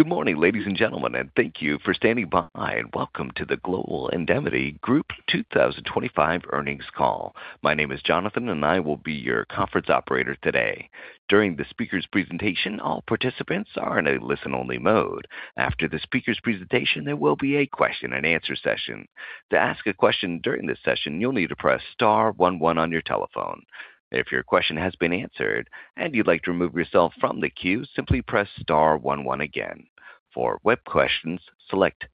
Good morning, ladies and gentlemen, and thank you for standing by, and welcome to the Global Indemnity Group 2025 earnings call. My name is Jonathan, and I will be your conference operator today. During the speaker's presentation, all participants are in a listen-only mode. After the speaker's presentation, there will be a question and answer session. To ask a question during this session, you'll need to press star one one on your telephone. If your question has been answered and you'd like to remove yourself from the queue, simply press star one one again. For web questions, select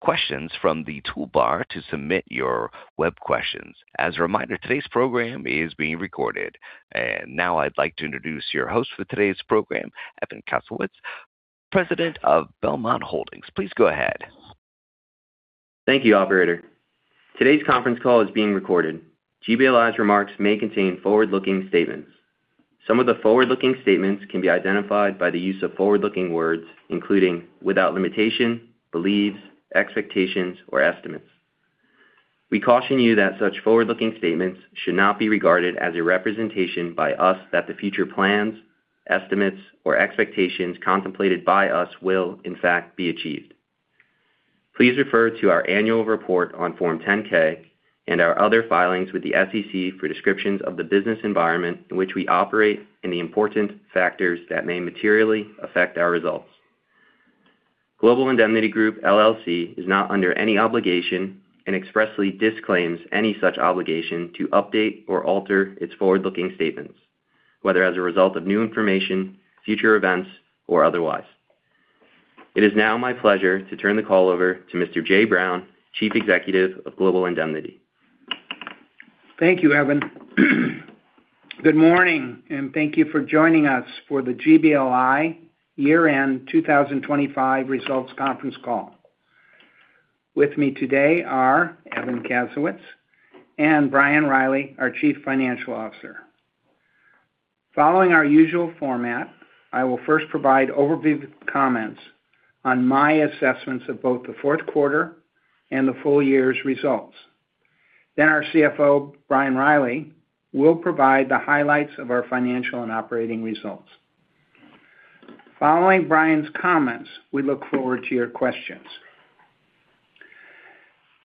Questions from the toolbar to submit your web questions. As a reminder, today's program is being recorded. Now I'd like to introduce your host for today's program, Evan Kasowitz, President of Belmont Holdings. Please go ahead. Thank you, operator. Today's conference call is being recorded. GBLI's remarks may contain forward-looking statements. Some of the forward-looking statements can be identified by the use of forward-looking words, including, without limitation, believes, expectations, or estimates. We caution you that such forward-looking statements should not be regarded as a representation by us that the future plans, estimates, or expectations contemplated by us will in fact be achieved. Please refer to our annual report on Form 10-K and our other filings with the SEC for descriptions of the business environment in which we operate and the important factors that may materially affect our results. Global Indemnity Group, LLC is not under any obligation and expressly disclaims any such obligation to update or alter its forward-looking statements, whether as a result of new information, future events or otherwise. It is now my pleasure to turn the call over to Mr. Joseph W. Brown, Chief Executive of Global Indemnity. Thank you, Evan. Good morning, and thank you for joining us for the GBLI year-end 2025 results conference call. With me today are Evan Kasowitz and Brian Riley, our Chief Financial Officer. Following our usual format, I will first provide overview comments on my assessments of both the fourth quarter and the full year's results. Our CFO, Brian Riley, will provide the highlights of our financial and operating results. Following Brian's comments, we look forward to your questions.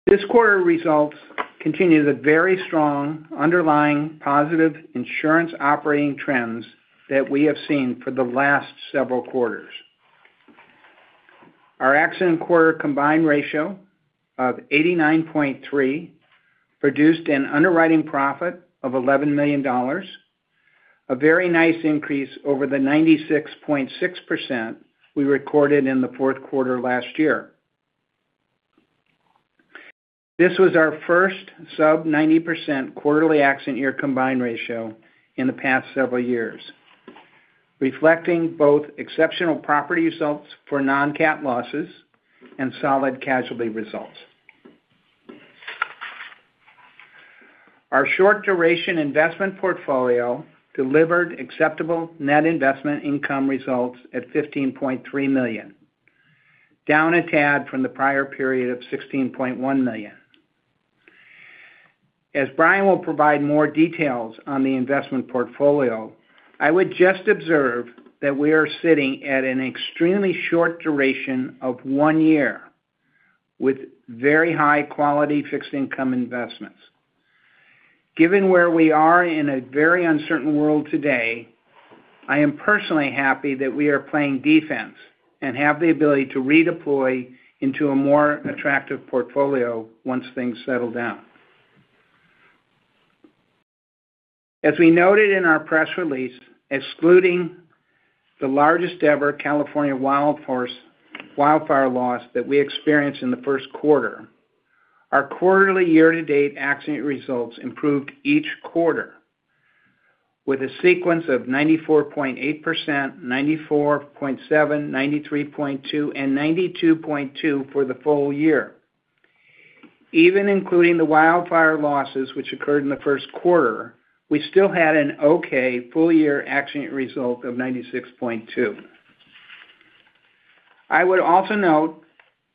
This quarter's results continue the very strong underlying positive insurance operating trends that we have seen for the last several quarters. Our fourth quarter combined ratio of 89.3 produced an underwriting profit of $11 million, a very nice increase over the 96.6% we recorded in the fourth quarter last year. This was our first sub 90% quarterly accident year combined ratio in the past several years, reflecting both exceptional property results for non-cat losses and solid casualty results. Our short duration investment portfolio delivered acceptable net investment income results at $15.3 million, down a tad from the prior period of $16.1 million. As Brian will provide more details on the investment portfolio, I would just observe that we are sitting at an extremely short duration of 1 year with very high-quality fixed income investments. Given where we are in a very uncertain world today, I am personally happy that we are playing defense and have the ability to redeploy into a more attractive portfolio once things settle down. As we noted in our press release, excluding the largest ever California wildfire loss that we experienced in the first quarter, our quarterly year-to-date accident results improved each quarter with a sequence of 94.8%, 94.7%, 93.2%, and 92.2% for the full year. Even including the wildfire losses, which occurred in the first quarter, we still had an okay full-year accident result of 96.2%. I would also note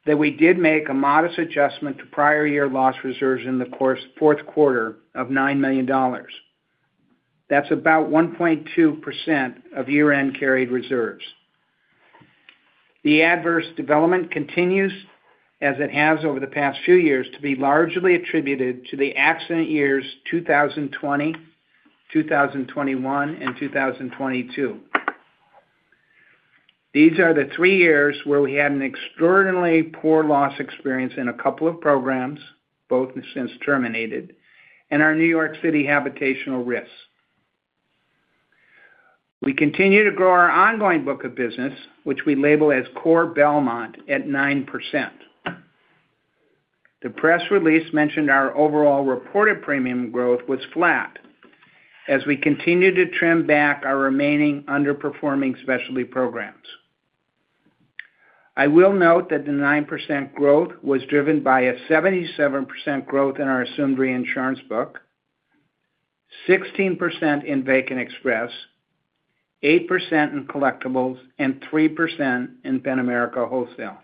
that we did make a modest adjustment to prior year loss reserves in the fourth quarter of $9 million. That's about 1.2% of year-end carried reserves. The adverse development continues as it has over the past few years to be largely attributed to the accident years 2020, 2021, and 2022. These are the three years where we had an extraordinarily poor loss experience in a couple of programs, both have since terminated, and our New York City habitational risks. We continue to grow our ongoing book of business, which we label as Core Belmont, at 9%. The press release mentioned our overall reported premium growth was flat as we continued to trim back our remaining underperforming specialty programs. I will note that the 9% growth was driven by a 77% growth in our assumed reinsurance book, 16% in VacantExpress, 8% in collectibles, and 3% in Penn-America Wholesale.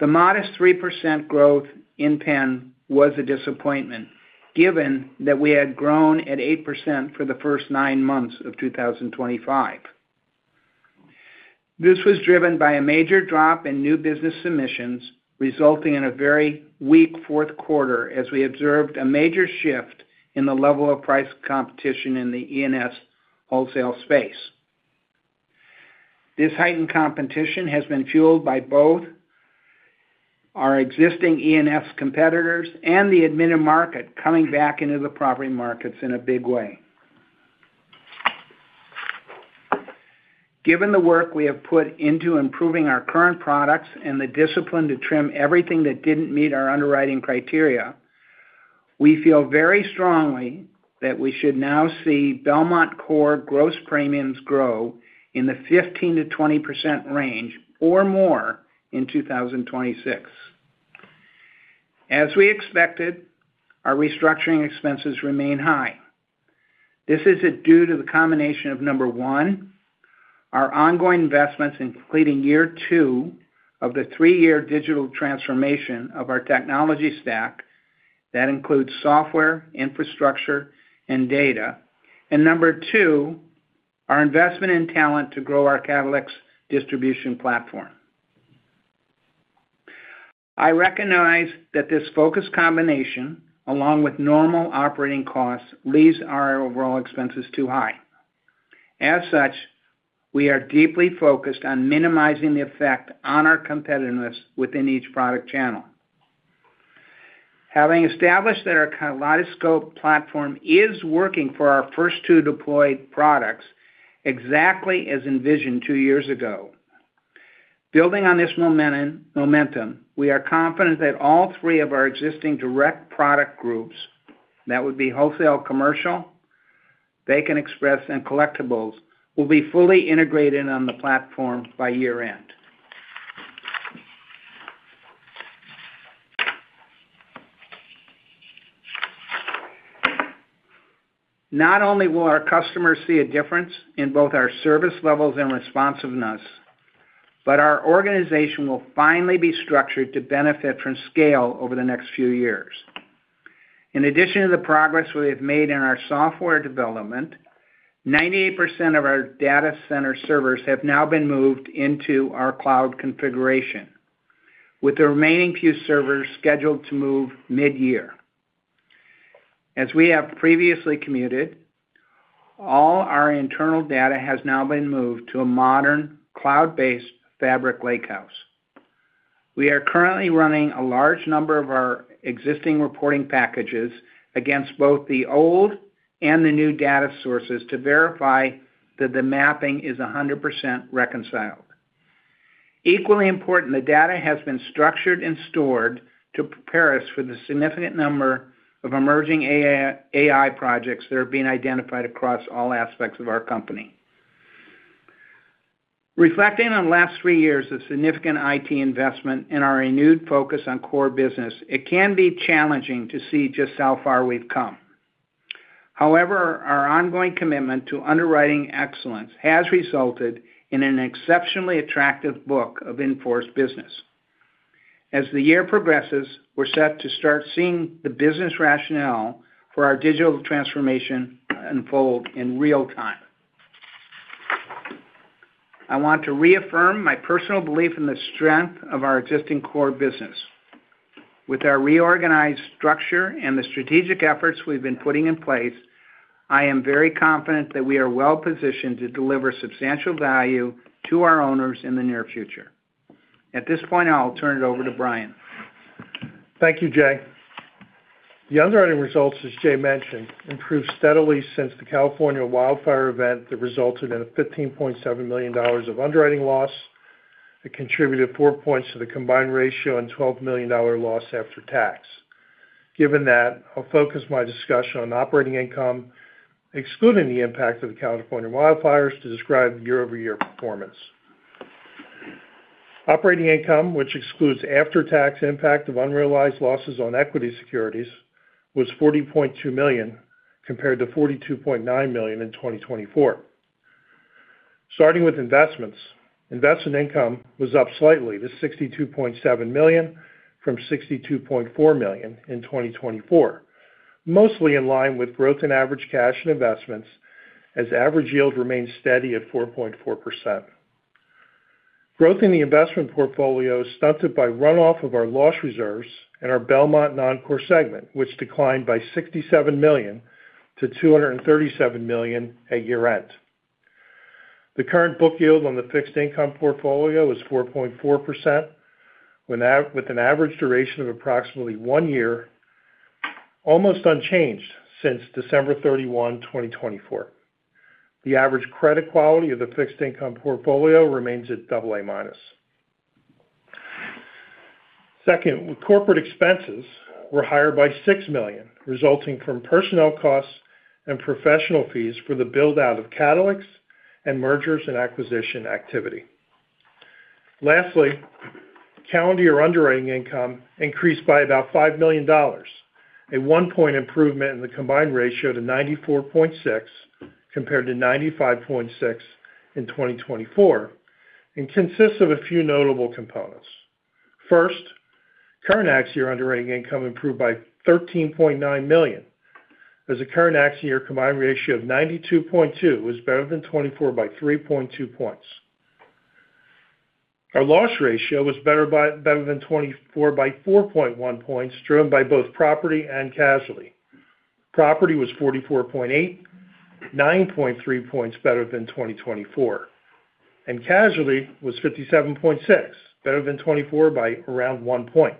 The modest 3% growth in Penn was a disappointment given that we had grown at 8% for the first 9 months of 2025. This was driven by a major drop in new business submissions, resulting in a very weak fourth quarter as we observed a major shift in the level of price competition in the E&S wholesale space. This heightened competition has been fueled by both our existing E&S competitors and the admitted market coming back into the property markets in a big way. Given the work we have put into improving our current products and the discipline to trim everything that didn't meet our underwriting criteria, we feel very strongly that we should now see Belmont Core gross premiums grow in the 15%-20% range or more in 2026. As we expected, our restructuring expenses remain high. This is due to the combination of, number one, our ongoing investments in completing year two of the three-year digital transformation of our technology stack. That includes software, infrastructure, and data. Number 2, our investment in talent to grow our Katalyx distribution platform. I recognize that this focused combination, along with normal operating costs, leaves our overall expenses too high. As such, we are deeply focused on minimizing the effect on our competitiveness within each product channel. Having established that our Kaleidoscope platform is working for our first two deployed products exactly as envisioned 2 years ago, building on this momentum, we are confident that all 3 of our existing direct product groups, that would be wholesale commercial, VacantExpress, and Collectibles, will be fully integrated on the platform by year-end. Not only will our customers see a difference in both our service levels and responsiveness, but our organization will finally be structured to benefit from scale over the next few years. In addition to the progress we have made in our software development, 98% of our data center servers have now been moved into our cloud configuration, with the remaining few servers scheduled to move mid-year. As we have previously communicated, all our internal data has now been moved to a modern cloud-based Fabric Lakehouse. We are currently running a large number of our existing reporting packages against both the old and the new data sources to verify that the mapping is 100% reconciled. Equally important, the data has been structured and stored to prepare us for the significant number of emerging AI projects that are being identified across all aspects of our company. Reflecting on the last three years of significant IT investment and our renewed focus on core business, it can be challenging to see just how far we've come. However, our ongoing commitment to underwriting excellence has resulted in an exceptionally attractive book of in-force business. As the year progresses, we're set to start seeing the business rationale for our digital transformation unfold in real time. I want to reaffirm my personal belief in the strength of our existing core business. With our reorganized structure and the strategic efforts we've been putting in place, I am very confident that we are well-positioned to deliver substantial value to our owners in the near future. At this point, I'll turn it over to Brian. Thank you, Jay. The underwriting results, as Jay mentioned, improved steadily since the California wildfire event that resulted in a $15.7 million of underwriting loss that contributed 4 points to the combined ratio and $12 million loss after tax. Given that, I'll focus my discussion on operating income, excluding the impact of the California wildfire, to describe year-over-year performance. Operating income, which excludes after-tax impact of unrealized losses on equity securities, was $40.2 million, compared to $42.9 million in 2024. Starting with investments, investment income was up slightly to $62.7 million from $62.4 million in 2024, mostly in line with growth in average cash and investments as average yield remained steady at 4.4%. Growth in the investment portfolio stunted by runoff of our loss reserves in our Belmont Non-Core segment, which declined by $67 million to $237 million at year-end. The current book yield on the fixed income portfolio was 4.4%, with an average duration of approximately 1 year, almost unchanged since December 31, 2024. The average credit quality of the fixed income portfolio remains at double A minus. Second, corporate expenses were higher by $6 million, resulting from personnel costs and professional fees for the build-out of Katalyx and mergers and acquisitions activity. Lastly, calendar year underwriting income increased by about $5 million. A 1-point improvement in the combined ratio to 94.6%, compared to 95.6% in 2024, and consists of a few notable components. First, current accident year underwriting income improved by $13.9 million, as a current accident year combined ratio of 92.2 was better than 2024 by 3.2 points. Our loss ratio was better than 2024 by 4.1 points, driven by both property and casualty. Property was 44.8, 9.3 points better than 2024, and casualty was 57.6, better than 2024 by around 1 point.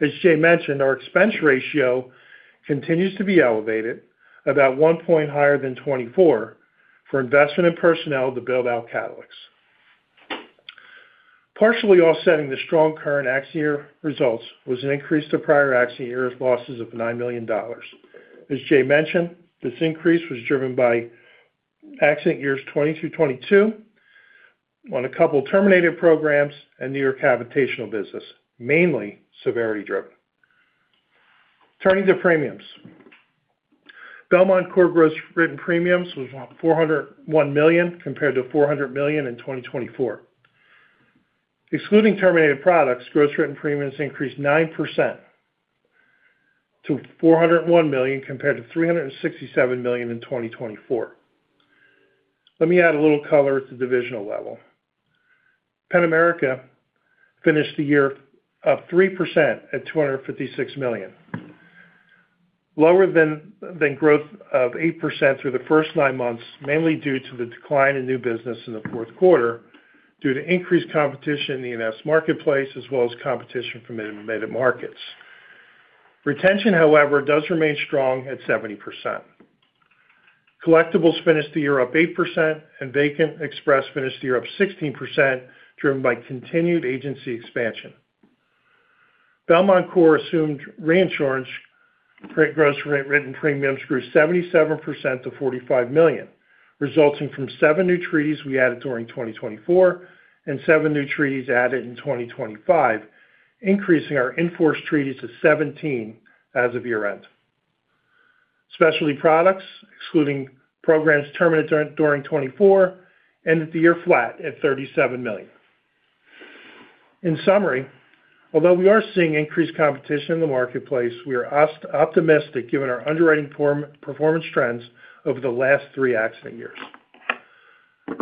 As Jay mentioned, our expense ratio continues to be elevated, about 1 point higher than 2024 for investment in personnel to build out Katalyx. Partially offsetting the strong current accident year results was an increase to prior accident years' losses of $9 million. As Jay mentioned, this increase was driven by accident years 2020 through 2022 on a couple terminated programs and New York habitational business, mainly severity driven. Turning to premiums. Belmont Core gross written premiums was $401 million compared to $400 million in 2024. Excluding terminated products, gross written premiums increased 9% to $401 million compared to $367 million in 2024. Let me add a little color at the divisional level. Penn-America finished the year up 3% at $256 million. Lower than growth of 8% through the first nine months, mainly due to the decline in new business in the fourth quarter due to increased competition in the E&S marketplace as well as competition from admitted markets. Retention, however, does remain strong at 70%. Collectibles finished the year up 8%, and VacantExpress finished the year up 16%, driven by continued agency expansion. Belmont Core Assumed Reinsurance gross written premiums grew 77% to $45 million, resulting from 7 new treaties we added during 2024 and 7 new treaties added in 2025, increasing our in-force treaties to 17 as of year-end. Specialty products, excluding programs terminated during 2024, ended the year flat at $37 million. In summary, although we are seeing increased competition in the marketplace, we are optimistic given our underwriting performance trends over the last 3 accident years.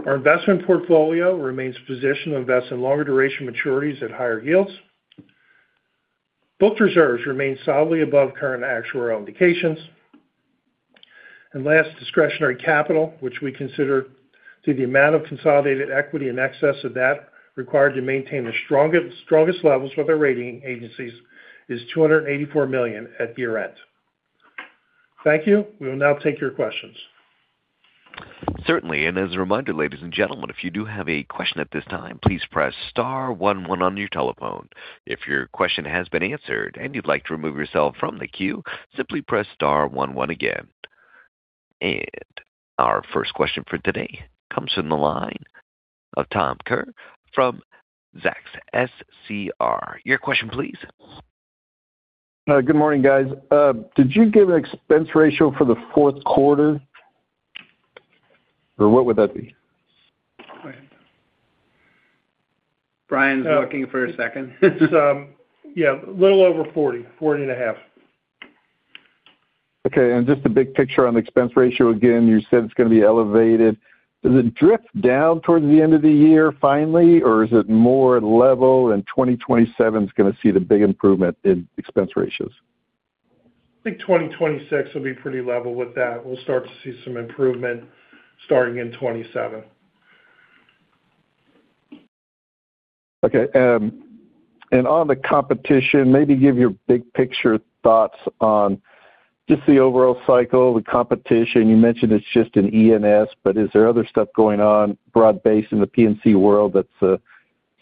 Our investment portfolio remains positioned to invest in longer duration maturities at higher yields. Booked reserves remain solidly above current actuarial indications. Last, discretionary capital, which we consider to be the amount of consolidated equity in excess of that required to maintain the strongest levels with our rating agencies, is $284 million at year-end. Thank you. We will now take your questions. Certainly. As a reminder, ladies and gentlemen, if you do have a question at this time, please press star one one on your telephone. If your question has been answered and you'd like to remove yourself from the queue, simply press star one one again. Our first question for today comes from the line of Tom Kerr from Zacks Small Cap Research. Your question please. Good morning, guys. Did you give an expense ratio for the fourth quarter? What would that be? Brian. Brian's working for a second. It's, yeah, a little over 40.5. Okay. Just the big picture on the expense ratio again, you said it's gonna be elevated. Does it drift down towards the end of the year finally, or is it more level and 2027's gonna see the big improvement in expense ratios? I think 2026 will be pretty level with that. We'll start to see some improvement starting in 2027. Okay. On the competition, maybe give your big picture thoughts on just the overall cycle, the competition. You mentioned it's just in E&S, but is there other stuff going on broad-based in the P&C world that's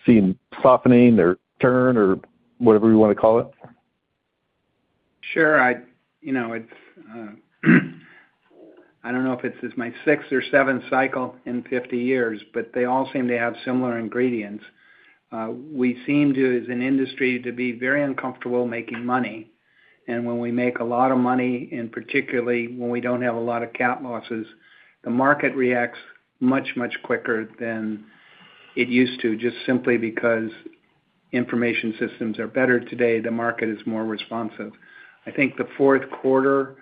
seeing softening or turn or whatever you wanna call it? Sure. I, you know, it's, I don't know if it's my sixth or seventh cycle in 50 years, but they all seem to have similar ingredients. We seem to, as an industry, to be very uncomfortable making money. When we make a lot of money, and particularly when we don't have a lot of cat losses, the market reacts much, much quicker than it used to, just simply because information systems are better today. The market is more responsive. I think the fourth quarter,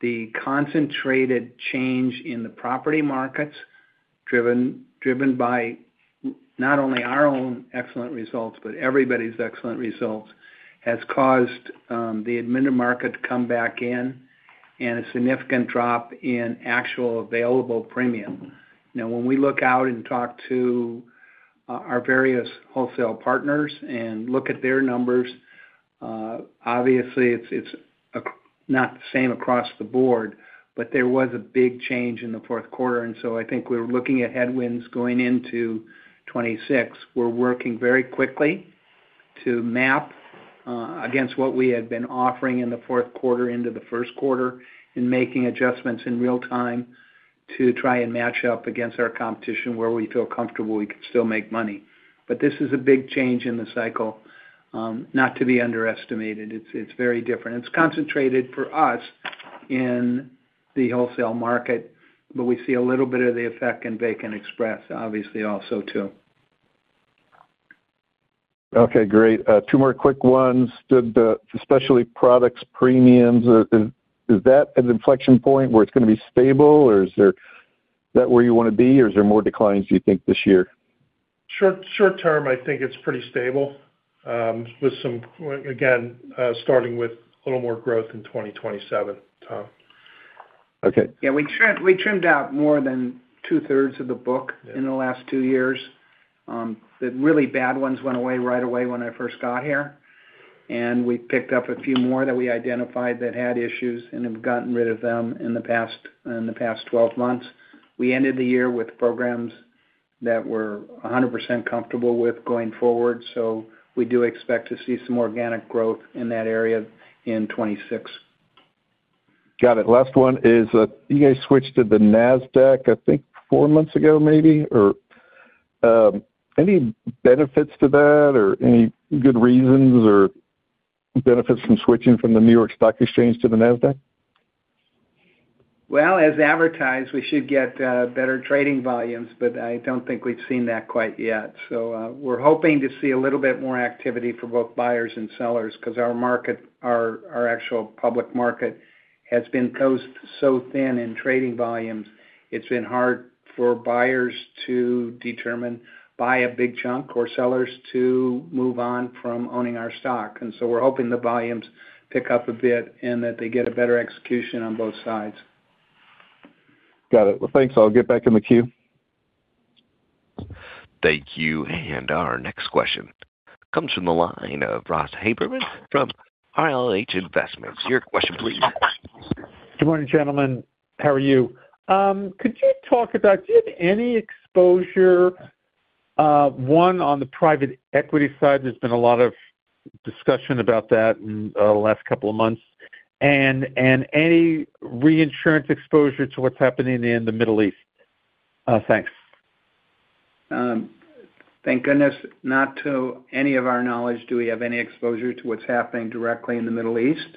the concentrated change in the property markets, driven by not only our own excellent results, but everybody's excellent results, has caused the admitted market to come back in and a significant drop in actual available premium. Now, when we look out and talk to our various wholesale partners and look at their numbers, obviously it's not the same across the board, but there was a big change in the fourth quarter. I think we're looking at headwinds going into 2026. We're working very quickly to map against what we had been offering in the fourth quarter into the first quarter and making adjustments in real time to try and match up against our competition where we feel comfortable we can still make money. But this is a big change in the cycle, not to be underestimated. It's very different. It's concentrated for us in the wholesale market, but we see a little bit of the effect in VacantExpress obviously also too. Okay, great. Two more quick ones. The specialty products premiums, is that an inflection point where it's gonna be stable or is that where you wanna be or is there more declines you think this year? Short term, I think it's pretty stable, again, starting with a little more growth in 2027, Tom. Okay. Yeah. We trimmed out more than two-thirds of the book. Yeah In the last two years. The really bad ones went away right away when I first got here, and we picked up a few more that we identified that had issues, and have gotten rid of them in the past 12 months. We ended the year with programs that we're 100% comfortable with going forward. We do expect to see some organic growth in that area in 2026. Got it. Last one is, you guys switched to the NASDAQ, I think four months ago, maybe? Or, any benefits to that, or any good reasons, or benefits from switching from the New York Stock Exchange to the NASDAQ? Well, as advertised, we should get better trading volumes, but I don't think we've seen that quite yet. We're hoping to see a little bit more activity for both buyers and sellers because our market, our actual public market has been so thin in trading volumes. It's been hard for buyers to buy a big chunk or sellers to move on from owning our stock. We're hoping the volumes pick up a bit and that they get a better execution on both sides. Got it. Well, thanks. I'll get back in the queue. Thank you. Our next question comes from the line of Ross Haberman from RLH Investments. Your question, please. Good morning, gentlemen. How are you? Could you talk about, do you have any exposure on the private equity side? There's been a lot of discussion about that in the last couple of months, and any reinsurance exposure to what's happening in the Middle East. Thanks. Thank goodness, not to any of our knowledge, do we have any exposure to what's happening directly in the Middle East.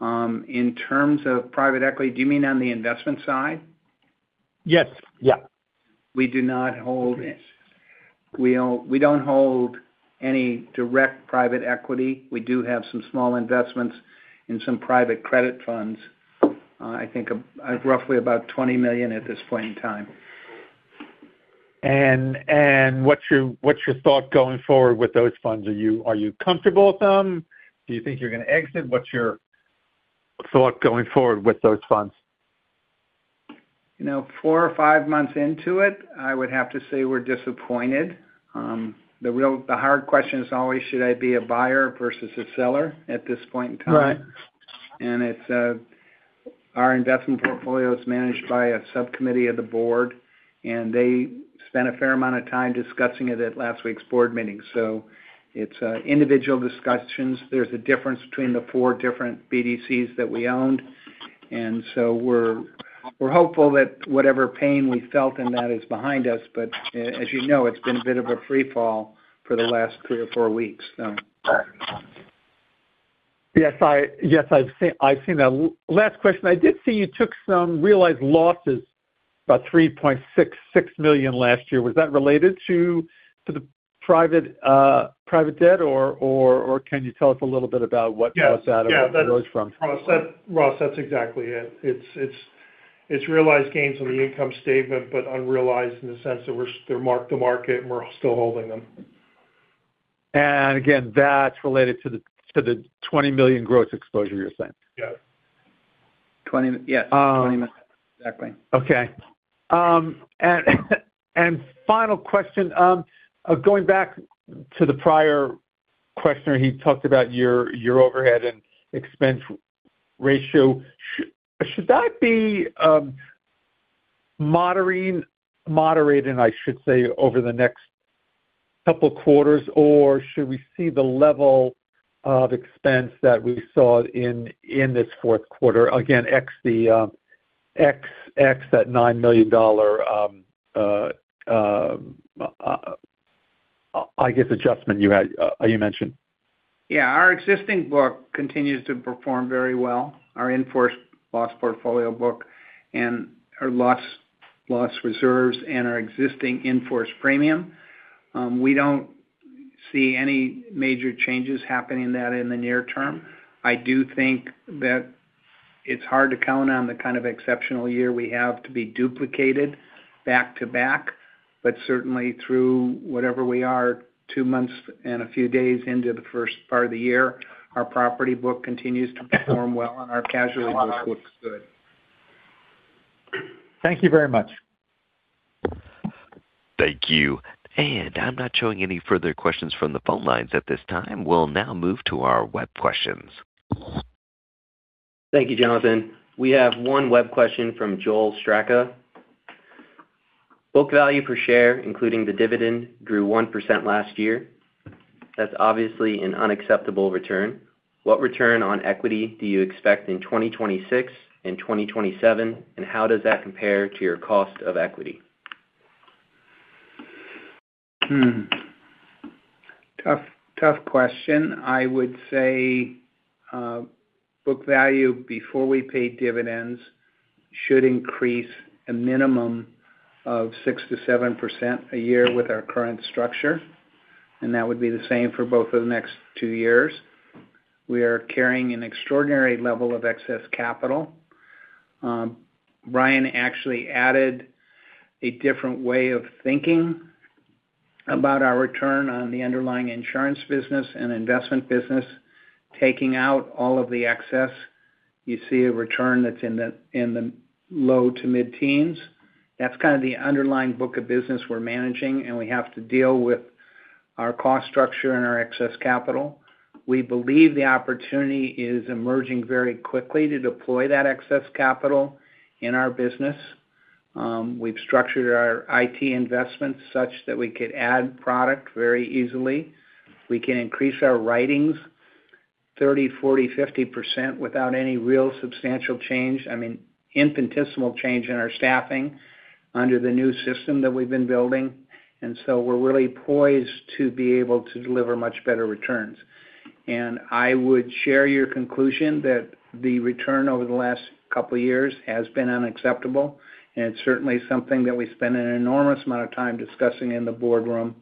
In terms of private equity, do you mean on the investment side? Yes. Yeah. We don't hold any direct private equity. We do have some small investments in some private credit funds. I think roughly about $20 million at this point in time. What's your thought going forward with those funds? Are you comfortable with them? Do you think you're gonna exit? What's your thought going forward with those funds? You know, four or five months into it, I would have to say we're disappointed. The hard question is always should I be a buyer versus a seller at this point in time? Right. It's our investment portfolio is managed by a subcommittee of the board, and they spent a fair amount of time discussing it at last week's board meeting. It's individual discussions. There's a difference between the four different BDCs that we own. We're hopeful that whatever pain we felt in that is behind us. As you know, it's been a bit of a free fall for the last three or four weeks. Yes, I've seen that. Last question, I did see you took some realized losses, about $3.66 million last year. Was that related to the private debt, or can you tell us a little bit about what? Yeah. Was that or where it was from? Ross, that's exactly it. It's realized gains on the income statement, but unrealized in the sense that they're mark-to-market, and we're still holding them. That's related to the $20 million gross exposure you're saying? Yeah. Yeah. Um. $20 million. Exactly. Okay. Final question, going back to the prior question, he talked about your overhead and expense ratio. Should that be moderated, I should say, over the next couple quarters, or should we see the level of expense that we saw in this fourth quarter? Again, excluding the $9 million, I guess, adjustment you had mentioned. Yeah, our existing book continues to perform very well. Our in-force loss portfolio book and our loss reserves and our existing in-force premium, we don't see any major changes happening in that in the near term. I do think that it's hard to count on the kind of exceptional year we have to be duplicated back-to-back, but certainly through whatever we are, two months and a few days into the first part of the year, our property book continues to perform well, and our casualty book looks good. Thank you very much. Thank you. I'm not showing any further questions from the phone lines at this time. We'll now move to our web questions. Thank you, Jonathan. We have one web question from Joel Straka. Book value per share, including the dividend, grew 1% last year. That's obviously an unacceptable return. What return on equity do you expect in 2026 and 2027, and how does that compare to your cost of equity? Tough question. I would say, book value before we pay dividends should increase a minimum of 6%-7% a year with our current structure, and that would be the same for both of the next 2 years. We are carrying an extraordinary level of excess capital. Brian actually added a different way of thinking about our return on the underlying insurance business and investment business. Taking out all of the excess, you see a return that's in the low- to mid-teens %. That's kind of the underlying book of business we're managing, and we have to deal with our cost structure and our excess capital. We believe the opportunity is emerging very quickly to deploy that excess capital in our business. We've structured our IT investments such that we could add product very easily. We can increase our writings 30, 40, 50% without any real substantial change. I mean, infinitesimal change in our staffing under the new system that we've been building. We're really poised to be able to deliver much better returns. I would share your conclusion that the return over the last couple of years has been unacceptable. It's certainly something that we spend an enormous amount of time discussing in the boardroom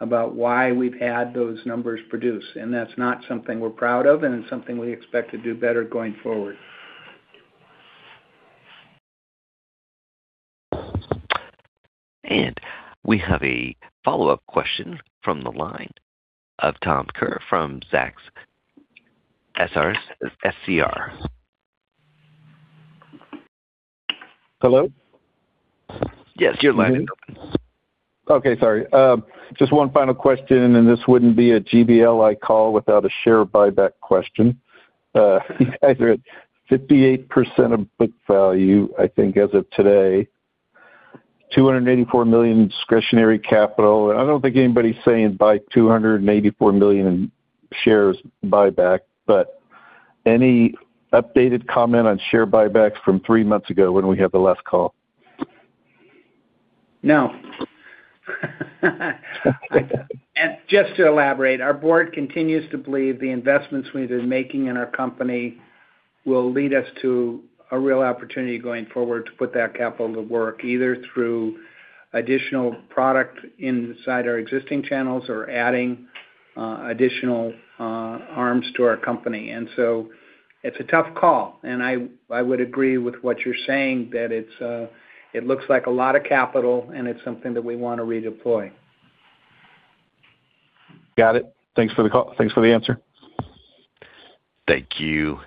about why we've had those numbers produced. That's not something we're proud of, and it's something we expect to do better going forward. We have a follow-up question from the line of Thomas Kerr from Zacks Small Cap Research. Hello? Yes, your line is open. Okay. Sorry. Just one final question, and this wouldn't be a GBLI call without a share buyback question. You guys are at 58% of book value, I think, as of today. $284 million discretionary capital. I don't think anybody's saying buy $284 million in shares buyback, but any updated comment on share buybacks from three months ago when we had the last call? No. Okay. Just to elaborate, our board continues to believe the investments we've been making in our company will lead us to a real opportunity going forward to put that capital to work, either through additional product inside our existing channels or adding additional arms to our company. It's a tough call, and I would agree with what you're saying, that it looks like a lot of capital, and it's something that we wanna redeploy. Got it. Thanks for the call. Thanks for the answer. Thank you.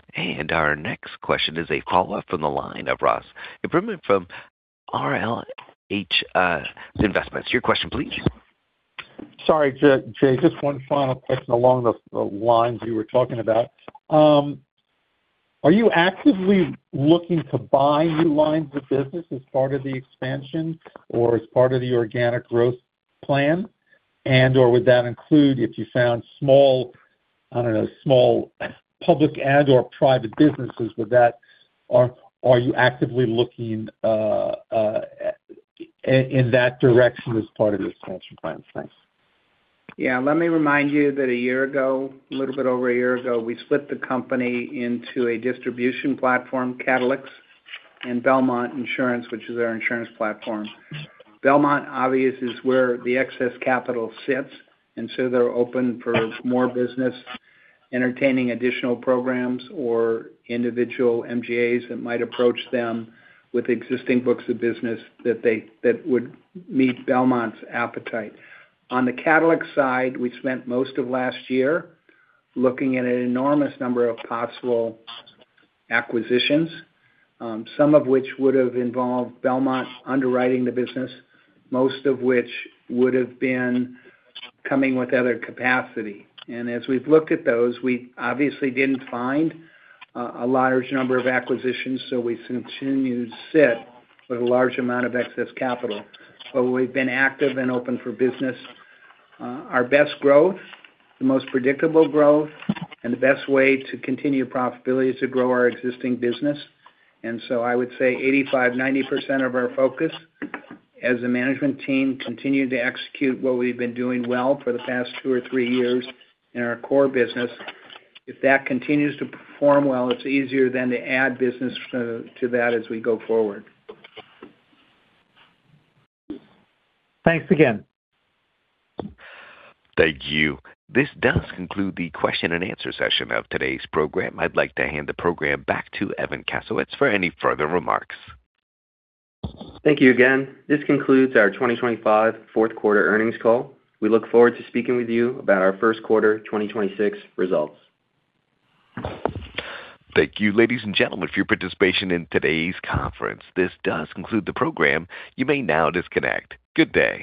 Our next question is a follow-up from the line of Ross Haberman from RLH Investments. Your question please. Sorry, Jay, just one final question along the lines you were talking about. Are you actively looking to buy new lines of business as part of the expansion or as part of the organic growth plan? Would that include if you found small, I don't know, small public and/or private businesses with that, or are you actively looking in that direction as part of your expansion plans? Thanks. Yeah, let me remind you that a year ago, a little bit over a year ago, we split the company into a distribution platform, Katalyx, and Belmont Insurance, which is our insurance platform. Belmont, obviously, is where the excess capital sits, and so they're open for more business, entertaining additional programs or individual MGAs that might approach them with existing books of business that would meet Belmont's appetite. On the Katalyx side, we spent most of last year looking at an enormous number of possible acquisitions, some of which would have involved Belmont underwriting the business, most of which would have been coming with other capacity. And as we've looked at those, we obviously didn't find a large number of acquisitions, so we continue to sit with a large amount of excess capital. We've been active and open for business. Our best growth, the most predictable growth, and the best way to continue profitability is to grow our existing business. I would say 85%-90% of our focus as a management team continue to execute what we've been doing well for the past two or three years in our core business. If that continues to perform well, it's easier then to add business to that as we go forward. Thanks again. Thank you. This does conclude the question and answer session of today's program. I'd like to hand the program back to Evan Kasowitz for any further remarks. Thank you again. This concludes our 2025 fourth quarter earnings call. We look forward to speaking with you about our first quarter 2026 results. Thank you, ladies and gentlemen, for your participation in today's conference. This does conclude the program. You may now disconnect. Good day.